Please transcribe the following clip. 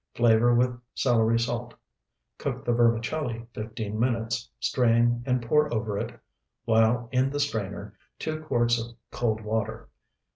Flavor with celery salt. Cook the vermicelli fifteen minutes, strain, and pour over it while in the strainer two quarts of cold water.